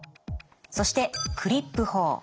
そしてクリップ法。